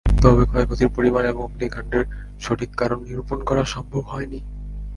তবে ক্ষয়ক্ষতির পরিমাণ এবং অগ্নিকাণ্ডের সঠিক কারণ নিরুপণ করা সম্ভব হয়নি।